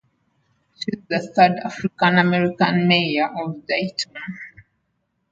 She is the third African-American mayor of Dayton.